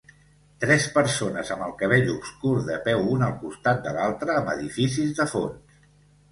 Tres persones amb el cabell obscur de peu una al costat de l"altra amb edificis de fons.